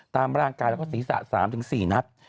ตามร่างกายแล้วก็ศีรษะ๓๔นัด